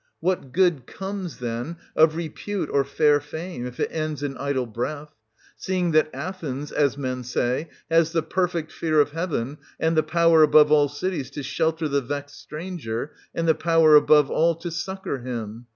What good comes, then, of repute or fair fame, 260 if it ends in idle breath ; seeing that Athens, as men say, has the perfect fear of Heaven, and the power, above all cities, to shelter the vexed stranger, and the power, above all, to succour him